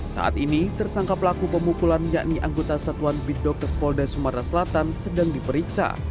saat ini tersangka pelaku pemukulan yakni anggota satuan bidokes polda sumatera selatan sedang diperiksa